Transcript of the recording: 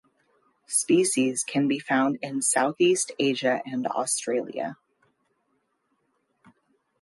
Species can be found in Southeast Asia and Australia.